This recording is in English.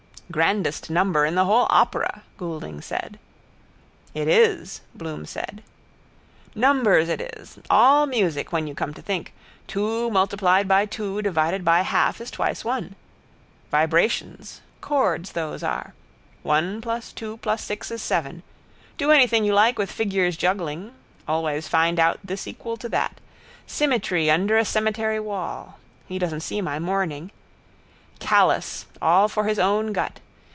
—Grandest number in the whole opera, Goulding said. —It is, Bloom said. Numbers it is. All music when you come to think. Two multiplied by two divided by half is twice one. Vibrations: chords those are. One plus two plus six is seven. Do anything you like with figures juggling. Always find out this equal to that. Symmetry under a cemetery wall. He doesn't see my mourning. Callous: all for his own gut.